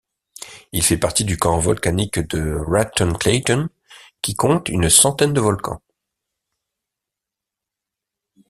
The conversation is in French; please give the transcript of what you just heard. Il fait partie du champ volcanique de Raton-Clayton, qui compte une centaine de volcans.